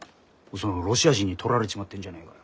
そのロシア人に取られちまってんじゃねえかよ。